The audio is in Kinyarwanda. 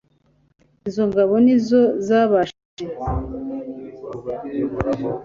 izo ngabo ni zo zabashije